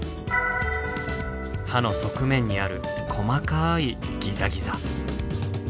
歯の側面にある細かいギザギザ。